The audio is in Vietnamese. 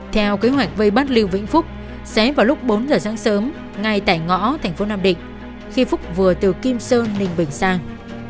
theo kế hoạch vây bắt lưu vĩnh phúc sẽ vào lúc bốn giờ sáng sớm ngay tại ngõ tp nam định khi phúc vừa từ kim sơn ninh bình sang